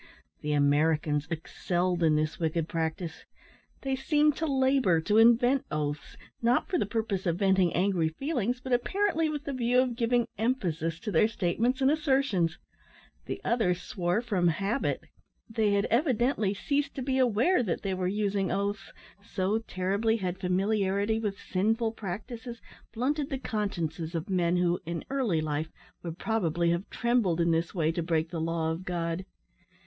The Americans excelled in this wicked practice. They seemed to labour to invent oaths, not for the purpose of venting angry feelings, but apparently with the view of giving emphasis to their statements and assertions. The others swore from habit. They had evidently ceased to be aware that they were using oaths so terribly had familiarity with sinful practices blunted the consciences of men who, in early life, would probably have trembled in this way to break the law of God.